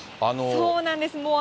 そうなんです。